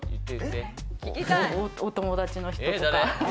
お友達の人とか。